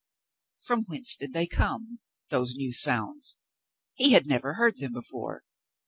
From whence did they come — those new sounds ? He had never heard them before.